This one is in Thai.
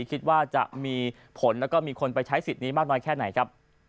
คิดว่าจะมีผลแล้วก็มีคนไปใช้สิทธิ์นี้มากน้อยแค่ไหนครับ